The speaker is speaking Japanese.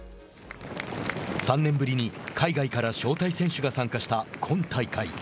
３年ぶりに海外から招待選手が参加した今大会。